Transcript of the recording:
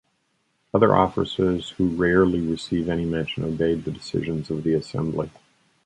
Other officers, who rarely receive any mention, obeyed the decisions of the assembly.